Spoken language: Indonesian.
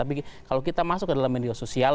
tapi kalau kita masuk ke dalam media sosial